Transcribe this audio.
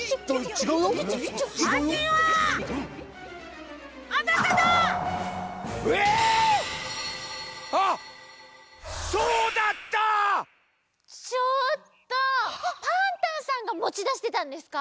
ちょっとパンタンさんがもちだしてたんですか？